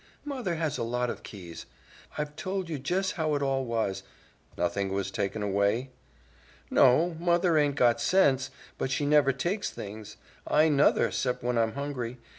"Mother has a lot of keys. I've told you jes' how it all was." "Nothing was taken away?" "No. Mother aint got sense, but she never takes things. I nuther 'cept when I'm hungry.